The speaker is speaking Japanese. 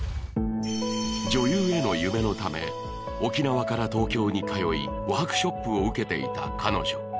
女優への夢のため沖縄から東京に通いワークショップを受けていた彼女